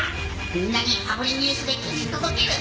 みんなにパブリニュースで記事届ける。